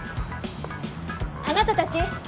あなたたち！